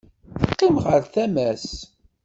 Teqqim ɣer tama-s.